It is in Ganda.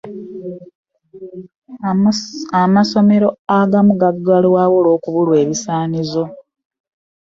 Amasomero agamu gagalwawo olw'okubulwa ebisaanyizo.